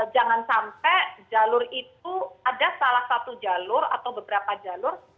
jangan sampai jalur itu ada salah satu jalur atau beberapa jalur